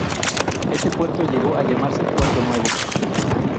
Éste puerto llegó a llamarse "Puerto Nuevo".